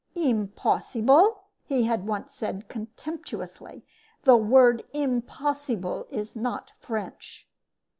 "Impossible?" he had once said, contemptuously. "The word 'impossible' is not French."